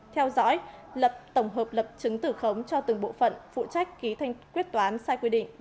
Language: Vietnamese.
theo dõi lập tổng hợp lập chứng tử khống cho từng bộ phận phụ trách ký thanh quyết toán sai quy định